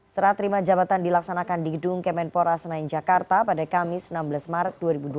serah terima jabatan dilaksanakan di gedung kemenpora senayan jakarta pada kamis enam belas maret dua ribu dua puluh